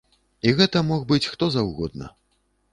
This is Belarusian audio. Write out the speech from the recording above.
І гэта мог быць хто заўгодна.